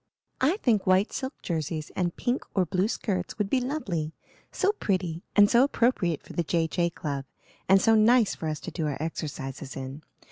"I think white silk jerseys and pink or blue skirts would be lovely; so pretty and so appropriate for the J. J. Club, and so nice for us to do our exercises in.